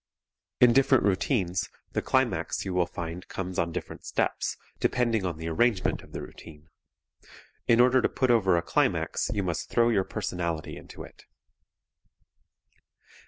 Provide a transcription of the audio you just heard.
In different routines, the climax you will find comes on different steps, depending upon the arrangement of the routine. In order to put over a climax you must throw your personality into it.